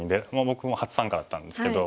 僕も初参加だったんですけど。